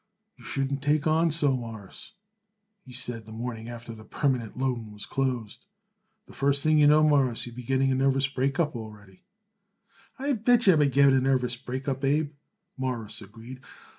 "You shouldn't take on so, Mawruss," he said, the morning after the permanent loan was closed. "The first thing you know, Mawruss, you will be getting a nervous break up, already." "I bet yer I would get a nervous break up, Abe," Morris agreed.